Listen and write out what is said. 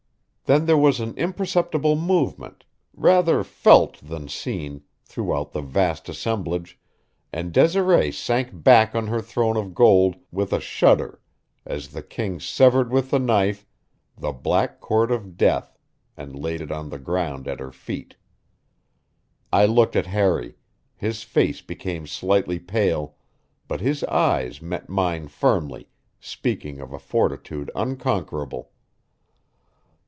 Then there was an imperceptible movement, rather felt than seen, throughout the vast assemblage, and Desiree sank back on her throne of gold with a shudder as the king severed with the knife the black cord of death and laid it on the ground at her feet. I looked at Harry; his face became slightly pale, but his eyes met mine firmly, speaking of a fortitude unconquerable.